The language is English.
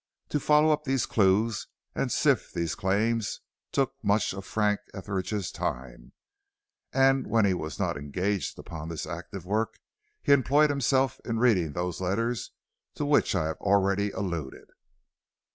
To follow up these clues and sift these claims took much of Frank Etheridge's time, and when he was not engaged upon this active work he employed himself in reading those letters to which I have already alluded.